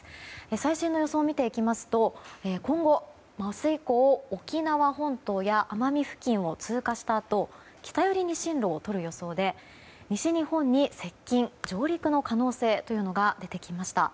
最新の予想を見ていきますと今後、明日以降沖縄本島や奄美付近を通過したあと北寄りに進路をとる予想で西日本に接近・上陸の可能性というのが出てきました。